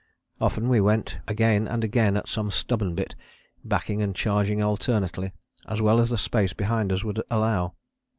Often we went again and again at some stubborn bit, backing and charging alternately, as well as the space behind us would allow.